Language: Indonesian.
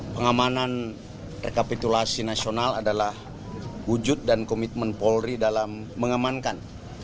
pengamanan rekapitulasi nasional adalah wujud dan komitmen polri dalam mengamankan